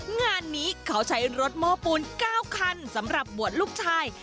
งานนี้เขาใช้รถโม้ปูน๙คันสำหรับบวชลูกชาย